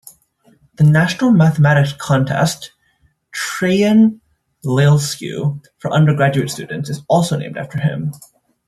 The National Mathematics Contest "Traian Lalescu" for undergraduate students is also named after him.